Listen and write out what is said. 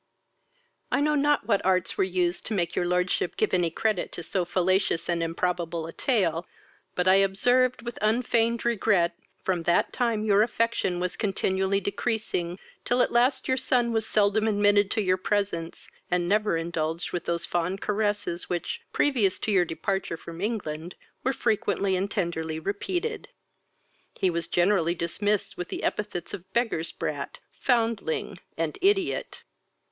I know not what arts were used to make your lordship give any credit to so fallacious and improbable a tale; but I observed, with unfeigned regret, from that time your affection was continually decreasing, till at last your son was seldom admitted to your presence, and never indulged with those fond caresses which, previous to your departure from England, were frequently and tenderly repeated. He was generally dismissed with the epithets of beggar's brat, foundling, and ideot."